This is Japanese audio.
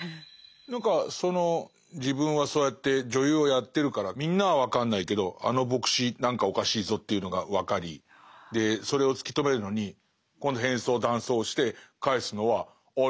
何かその自分はそうやって女優をやってるからみんなは分かんないけどあの牧師何かおかしいぞというのが分かりそれを突き止めるのに今度変装男装をして返すのはああ